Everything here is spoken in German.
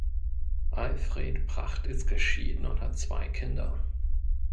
Alfred Pracht ist geschieden und hat zwei Kinder.